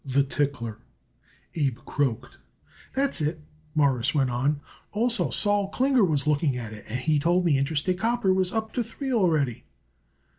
"The tickler," Abe croaked. "That's it," Morris went on. "Also, Sol Klinger was looking at it, and he told me Interstate Copper was up to three already."